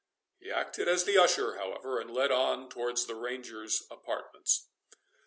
He acted as the usher, however, and led on towards the ranger's apartments.